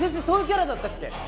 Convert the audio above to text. そういうキャラだったっけ？